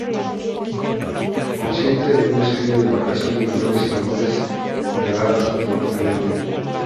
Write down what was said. Consiste en un desfile de embarcaciones mayores y menores engalanadas temáticamente.